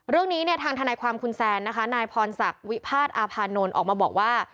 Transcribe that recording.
เรื่องนี้เนี่ยทางทนายความคุณแซนนะคะนายพรศักดิ์วิพาทอาพานนท์ออกมาบอกว่า